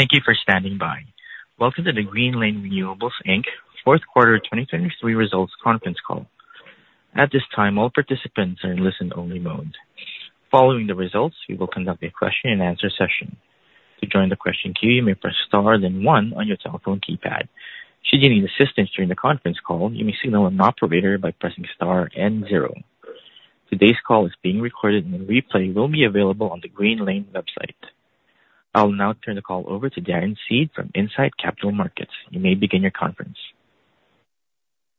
Thank you for standing by. Welcome to the Greenlane Renewables Inc. Q4 2023 Results Conference Call. At this time, all participants are in listen only mode. Following the results, we will conduct a question and answer session. To join the question queue, you may press star, then one on your telephone keypad. Should you need assistance during the conference call, you may signal an operator by pressing star and zero. Today's call is being recorded and the replay will be available on the Greenlane website. I'll now turn the call over to Darren Seed from Incite Capital Markets. You may begin your conference.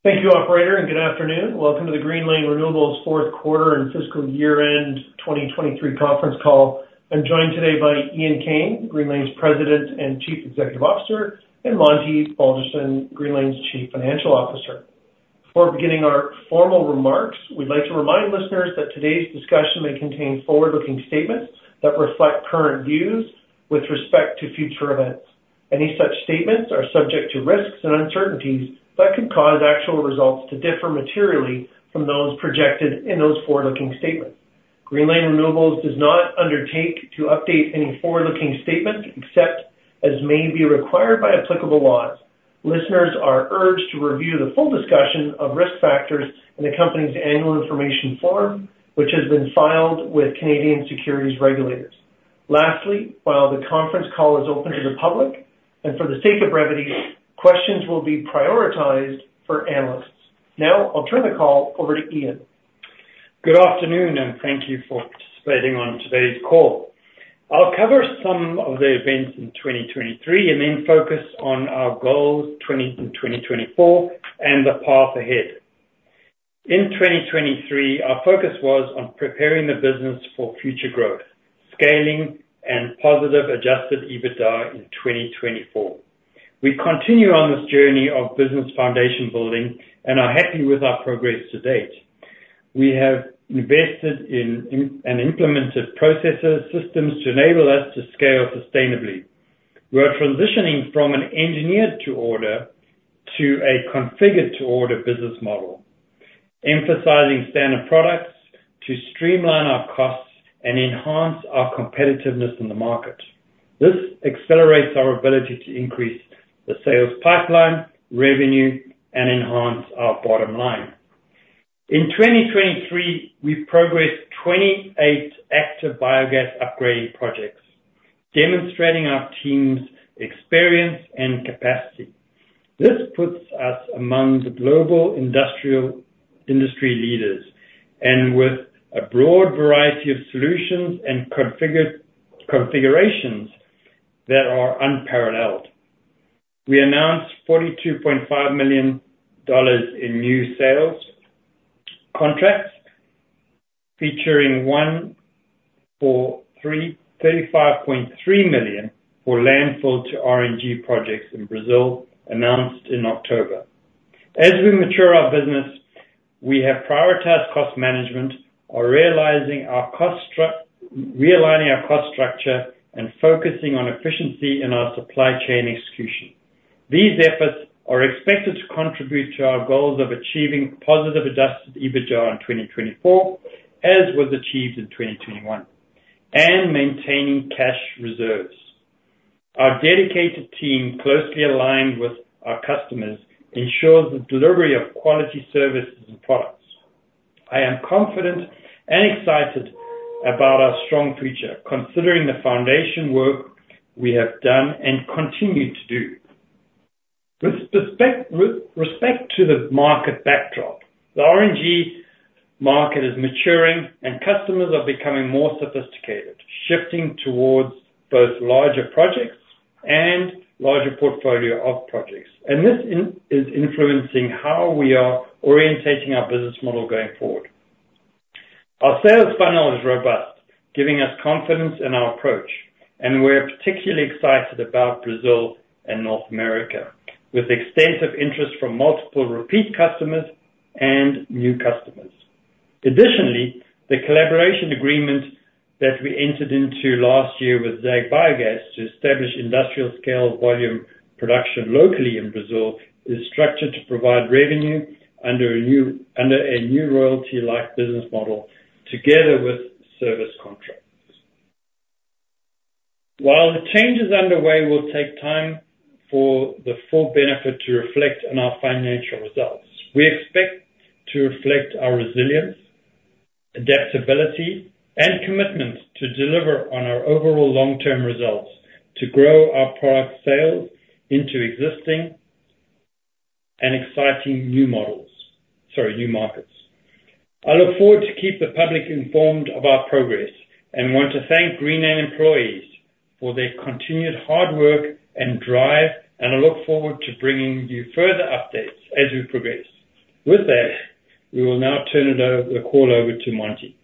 Thank you, operator, and good afternoon. Welcome to the Greenlane Renewables Q4 and Fiscal Year-End 2023 Conference Call. I'm joined today by Ian Kane, Greenlane's President and Chief Executive Officer, and Monty Balderston, Greenlane's Chief Financial Officer. Before beginning our formal remarks, we'd like to remind listeners that today's discussion may contain forward-looking statements that reflect current views with respect to future events. Any such statements are subject to risks and uncertainties that could cause actual results to differ materially from those projected in those forward-looking statements. Greenlane Renewables does not undertake to update any forward-looking statements except as may be required by applicable laws. Listeners are urged to review the full discussion of risk factors in the company's annual information form, which has been filed with Canadian securities regulators. Lastly, while the conference call is open to the public, and for the sake of brevity, questions will be prioritized for analysts. Now I'll turn the call over to Ian. Good afternoon, and thank you for participating on today's call. I'll cover some of the events in 2023 and then focus on our goals in 2024 and the path ahead. In 2023, our focus was on preparing the business for future growth, scaling and positive Adjusted EBITDA in 2024. We continue on this journey of business foundation building and are happy with our progress to date. We have invested in and implemented processes, systems to enable us to scale sustainably. We are transitioning from an engineered to order to a configured to order business model, emphasizing standard products to streamline our costs and enhance our competitiveness in the market. This accelerates our ability to increase the sales pipeline, revenue, and enhance our bottom line. In 2023, we progressed 28 active biogas upgrading projects, demonstrating our team's experience and capacity. This puts us among the global industrial industry leaders and with a broad variety of solutions and configured configurations that are unparalleled. We announced 42.5 million dollars in new sales contracts, featuring one for 35.3 million for landfill to RNG projects in Brazil, announced in October. As we mature our business, we have prioritized cost management, are realigning our cost structure and focusing on efficiency in our supply chain execution. These efforts are expected to contribute to our goals of achieving positive Adjusted EBITDA in 2024, as was achieved in 2021, and maintaining cash reserves. Our dedicated team, closely aligned with our customers, ensures the delivery of quality services and products. I am confident and excited about our strong future, considering the foundation work we have done and continue to do. With respect to the market backdrop, the RNG market is maturing and customers are becoming more sophisticated, shifting towards both larger projects and larger portfolio of projects, and this is influencing how we are orientating our business model going forward. Our sales funnel is robust, giving us confidence in our approach, and we're particularly excited about Brazil and North America, with extensive interest from multiple repeat customers and new customers. Additionally, the collaboration agreement that we entered into last year with ZEG Biogás to establish industrial scale volume production locally in Brazil, is structured to provide revenue under a new royalty-like business model together with service contracts. While the changes underway will take time for the full benefit to reflect on our financial results, we expect to reflect our resilience, adaptability, and commitment to deliver on our overall long-term results to grow our product sales into existing and exciting new models. Sorry, new markets. I look forward to keep the public informed of our progress, and want to thank Greenlane employees for their continued hard work and drive, and I look forward to bringing you further updates as we progress. With that, we will now turn it over, the call over to Monty.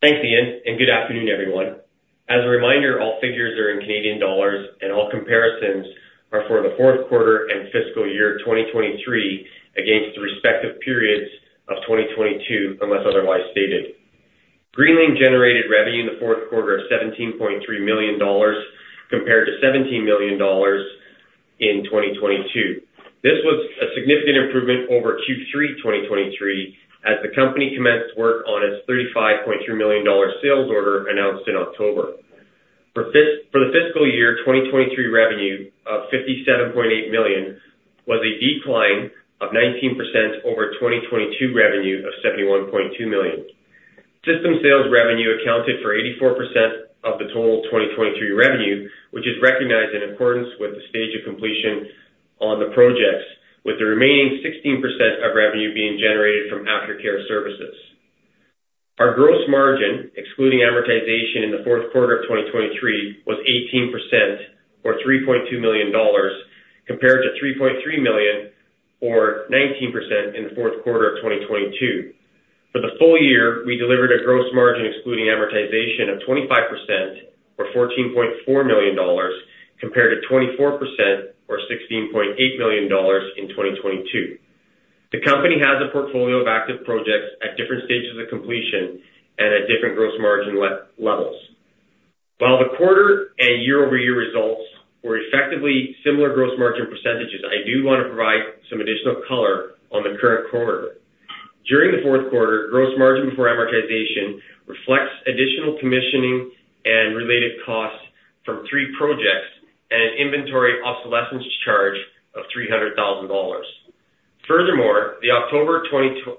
Thanks, Ian, and good afternoon, everyone. As a reminder, all figures are in Canadian dollars and all comparisons are for the Q4 and fiscal year 2023 against the respective periods of 2022, unless otherwise stated. Greenlane generated revenue in the Q4 of 17.3 million dollars, compared to 17 million dollars in 2022. This was a significant improvement over Q3 2023, as the company commenced work on its 35.3 million dollar sales order announced in October. For the fiscal year 2023 revenue of 57.8 million was a decline of 19% over 2022 revenue of 71.2 million. System sales revenue accounted for 84% of the total 2023 revenue, which is recognized in accordance with the stage of completion on the projects, with the remaining 16% of revenue being generated from aftercare services. Our gross margin, excluding amortization in the Q4 of 2023, was 18% or 3.2 million dollars, compared to 3.3 million or 19% in the Q4 of 2022. For the full year, we delivered a gross margin excluding amortization of 25% or 14.4 million dollars, compared to 24% or 16.8 million dollars in 2022. The company has a portfolio of active projects at different stages of completion and at different gross margin levels. While the quarter and year-over-year results were effectively similar gross margin percentages, I do want to provide some additional color on the current quarter. During the Q4, gross margin before amortization reflects additional commissioning and related costs from three projects and an inventory obsolescence charge of 300,000 dollars. Furthermore, the October 2023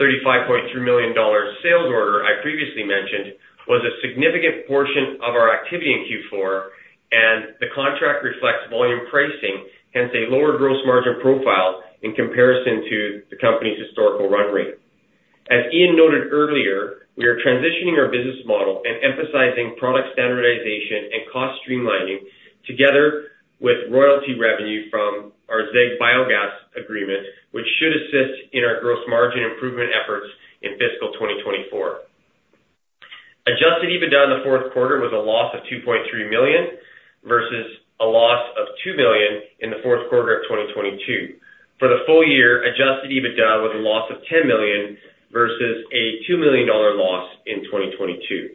35.3 million dollars sales order I previously mentioned was a significant portion of our activity in Q4, and the contract reflects volume pricing, hence a lower gross margin profile in comparison to the company's historical run rate. As Ian noted earlier, we are transitioning our business model and emphasizing product standardization and cost streamlining together with royalty revenue from our ZEG Biogás agreement, which should assist in our gross margin improvement efforts in fiscal 2024. Adjusted EBITDA in the Q4 was a loss of 2.3 million, versus a loss of 2 million in the Q4 of 2022. For the full year, adjusted EBITDA was a loss of 10 million, versus a 2 million dollar loss in 2022.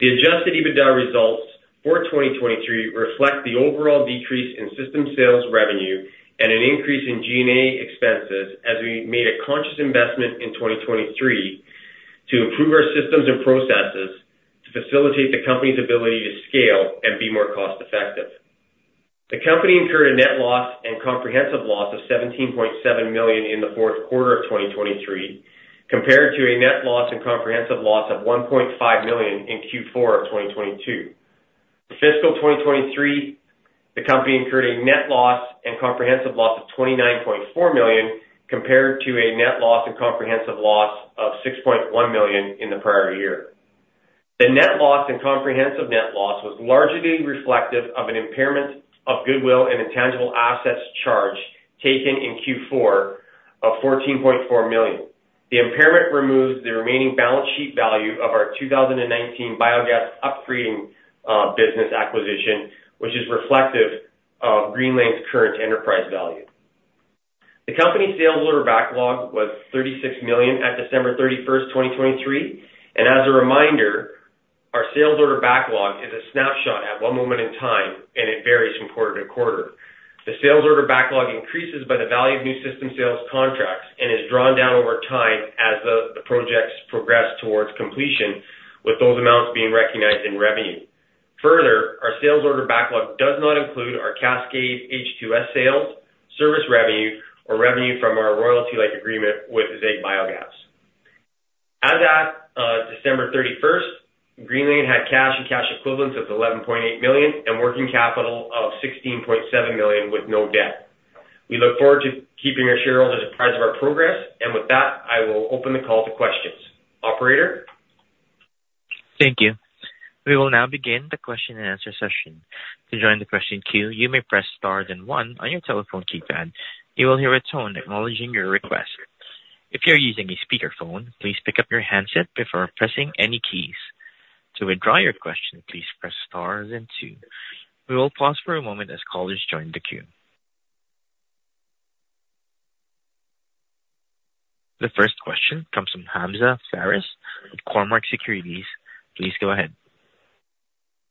The adjusted EBITDA results for 2023 reflect the overall decrease in system sales revenue and an increase in G&A expenses, as we made a conscious investment in 2023 to improve our systems and processes to facilitate the company's ability to scale and be more cost effective. The company incurred a net loss and comprehensive loss of 17.7 million in the Q4 of 2023, compared to a net loss and comprehensive loss of 1.5 million in Q4 of 2022. For fiscal 2023, the company incurred a net loss and comprehensive loss of 29.4 million, compared to a net loss and comprehensive loss of 6.1 million in the prior year. The net loss and comprehensive net loss was largely reflective of an impairment of goodwill and intangible assets charge taken in Q4 of CAD 14.4 million. The impairment removed the remaining balance sheet value of our 2019 biogas upgrading business acquisition, which is reflective of Greenlane's current enterprise value. The company's sales order backlog was 36 million at December 31, 2023, and as a reminder, our sales order backlog is a snapshot at one moment in time, and it varies from quarter-to-quarter. The sales order backlog increases by the value of new system sales contracts and is drawn down over time as the projects progress towards completion, with those amounts being recognized in revenue. Further, our sales order backlog does not include our Cascade H2S sales, service revenue, or revenue from our royalty-like agreement with ZEG Biogás. As at December 31st, Greenlane had cash and cash equivalents of 11.8 million and working capital of 16.7 million with no debt. We look forward to keeping our shareholders apprised of our progress, and with that, I will open the call to questions. Operator? Thank you. We will now begin the question and answer session. To join the question queue, you may press star then one on your telephone keypad. You will hear a tone acknowledging your request. If you are using a speakerphone, please pick up your handset before pressing any keys. To withdraw your question, please press star then two. We will pause for a moment as callers join the queue. The first question comes from Hamzah Faris of Cormark Securities. Please go ahead.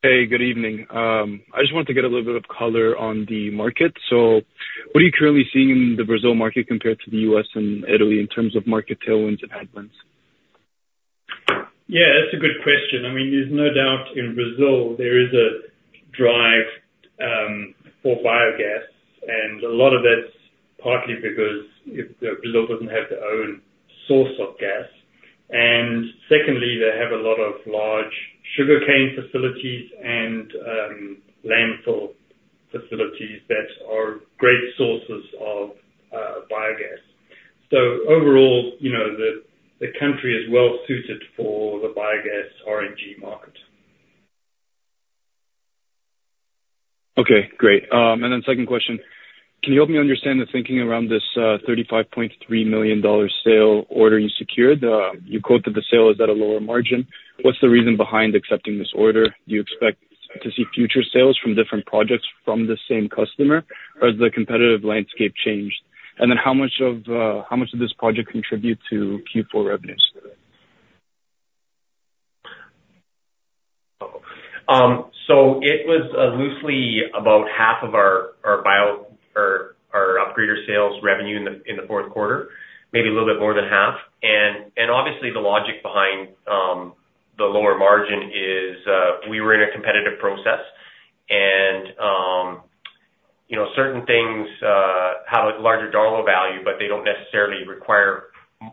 Hey, good evening. I just wanted to get a little bit of color on the market. So what are you currently seeing in the Brazil market compared to the US and Italy in terms of market tailwinds and headwinds? Yeah, that's a good question. I mean, there's no doubt in Brazil there is a drive for biogas, and a lot of that's partly because Brazil doesn't have their own source of gas. And secondly, they have a lot of large sugarcane facilities and landfill facilities that are great sources of biogas. So overall, you know, the country is well suited for the biogas RNG market. Okay, great. And then second question: Can you help me understand the thinking around this 35.3 million dollar sale order you secured? You quoted the sale is at a lower margin. What's the reason behind accepting this order? Do you expect to see future sales from different projects from the same customer, or has the competitive landscape changed? And then how much did this project contribute to Q4 revenues? It was loosely about half of our upgrader sales revenue in the Q4, maybe a little bit more than half. Obviously the logic behind the lower margin is we were in a competitive process and, you know, certain things have a larger dollar value, but they don't necessarily require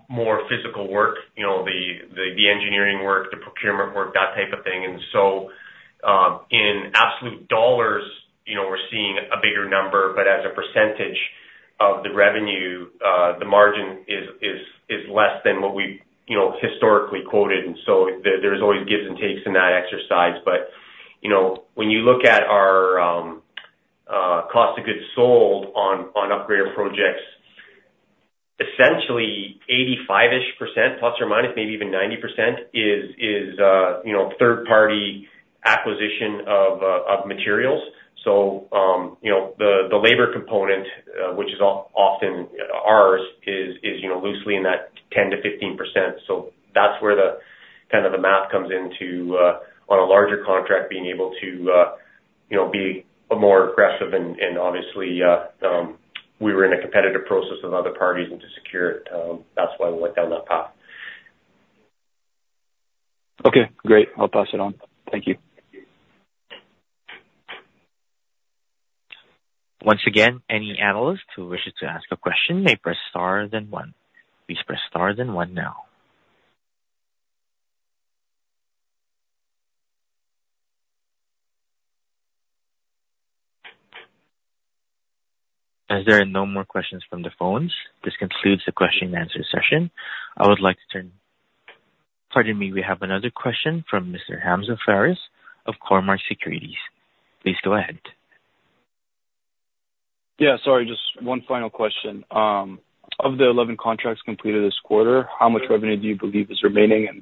more physical work. You know, the engineering work, the procurement work, that type of thing. So, in absolute dollars, you know, we're seeing a bigger number, but as a percentage of the revenue, the margin is less than what we, you know, historically quoted. So there, there's always gives and takes in that exercise. But, you know, when you look at our cost of goods sold on upgrader projects, essentially ±85-ish%, maybe even 90%, is, you know, third-party acquisition of materials. So, you know, the labor component, which is often ours, is, you know, loosely in that 10% to 15%. So that's where the, kind of the math comes into on a larger contract, being able to, you know, be more aggressive. And obviously, we were in a competitive process with other parties and to secure it, that's why we went down that path. Okay, great. I'll pass it on. Thank you. Once again, any analyst who wishes to ask a question may press Star, then one. Please press star then one now. As there are no more questions from the phones, this concludes the question and answer session. I would like to turn... Pardon me, we have another question from Mr. Hamzah Faris of Cormark Securities. Please go ahead. Yeah, sorry, just one final question. Of the 11 contracts completed this quarter, how much revenue do you believe is remaining? And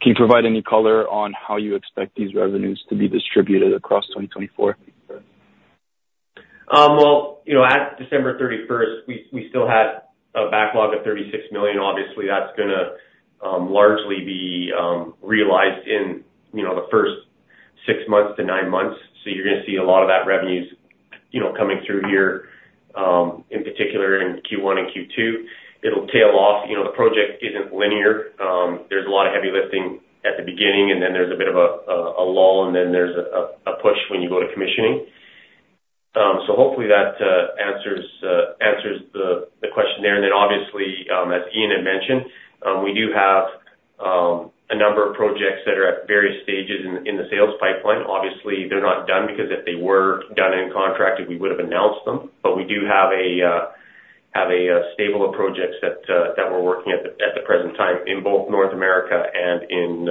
can you provide any color on how you expect these revenues to be distributed across 2024? Well, you know, at December 31st, we still had a backlog of 36 million. Obviously, that's gonna largely be realized in, you know, the first six months to nine months. So you're gonna see a lot of that revenues, you know, coming through here, in particular in Q1 and Q2. It'll tail off. You know, the project isn't linear. There's a lot of heavy lifting at the beginning, and then there's a bit of a lull, and then there's a push when you go to commissioning. So hopefully that answers the question there. And then obviously, as Ian had mentioned, we do have a number of projects that are at various stages in the sales pipeline. Obviously, they're not done, because if they were done and contracted, we would have announced them. But we do have a stable of projects that we're working at the present time in both North America and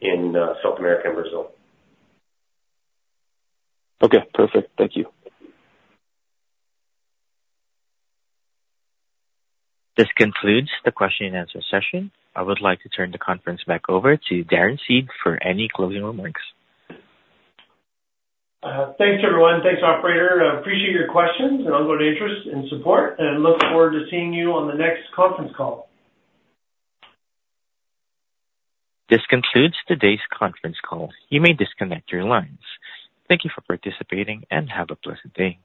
in South America and Brazil. Okay, perfect. Thank you. This concludes the question and answer session. I would like to turn the conference back over to Darren Seed for any closing remarks. Thanks, everyone. Thanks, operator. I appreciate your questions and ongoing interest and support, and look forward to seeing you on the next conference call. This concludes today's conference call. You may disconnect your lines. Thank you for participating, and have a blessed day.